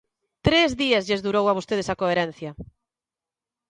¡Tres días lles durou a vostedes a coherencia!